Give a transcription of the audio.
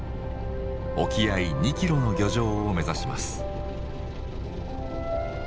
沖合２キロの漁場を目指します。